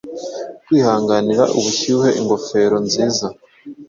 Kwihanganira ubushyuhe ingofero nziza